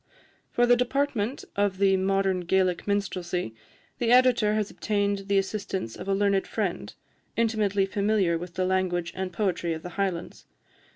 For the department of the "Modern Gaelic Minstrelsy," the Editor has obtained the assistance of a learned friend, intimately familiar with the language and poetry of the Highlands.